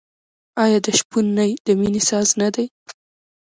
آیا د شپون نی د مینې ساز نه دی؟